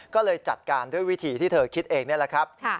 ก็เลยจัดการด้วยวิธีที่เธอคิดเองนี่แหละครับ